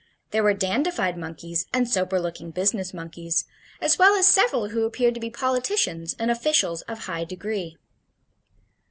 There were dandified monkeys and sober looking business monkeys, as well as several who appeared to be politicians and officials of high degree.